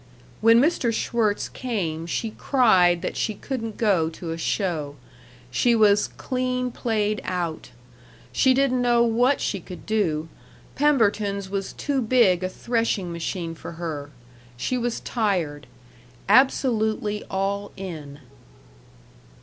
When Mr. Schwirtz came she cried that she couldn't go to a show. She was "clean played out." She didn't know what she could do. Pemberton's was too big a threshing machine for her. She was tired "absolutely all in."